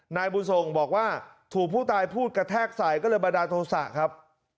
นายบุญส่งบอกว่าถูกผู้ตายพูดกระแทกใส่ก็เลยบันดาลโทษะครับ